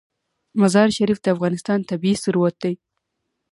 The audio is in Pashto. مزارشریف د افغانستان طبعي ثروت دی.